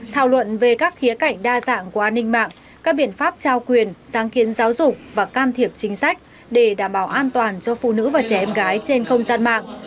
thảo luận về các khía cảnh đa dạng của an ninh mạng các biện pháp trao quyền sáng kiến giáo dục và can thiệp chính sách để đảm bảo an toàn cho phụ nữ và trẻ em gái trên không gian mạng